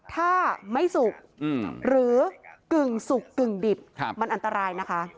ถ้าไม่สุกหรือกึ่งสุกกึ่งดิบมันอันตรายนะคะ